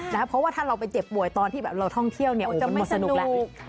เพราะว่าถ้าเราไปเจ็บป่วยตอนที่เราท่องเที่ยวจะไม่สนุกแล้ว